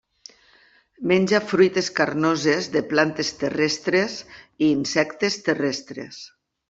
Menja fruites carnoses de plantes terrestres i insectes terrestres.